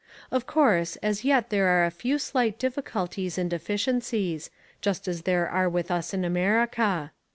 Of course, as yet there are a few slight difficulties and deficiencies, just as there are with us in America.